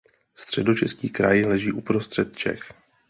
Středočeský kraj leží uprostřed Čech.